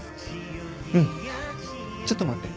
うんちょっと待って。